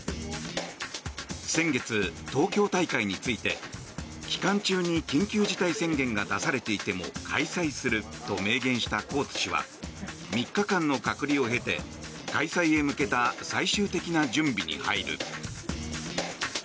先月、東京大会について期間中に緊急事態宣言が出されていても開催すると明言したコーツ氏は３日間の隔離を経て開催に向けた最終的な準備に入る。